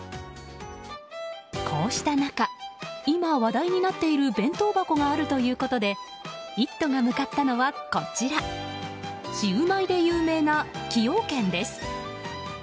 こうした中、今話題になっている弁当箱があるということで「イット！」が向かったのはこちらシウマイで有名な崎陽軒です。